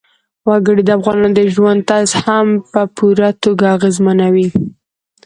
وګړي د افغانانو د ژوند طرز هم په پوره توګه اغېزمنوي.